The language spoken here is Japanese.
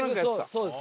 そうです。